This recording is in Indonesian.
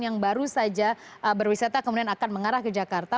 yang baru saja berwisata kemudian akan mengarah ke jakarta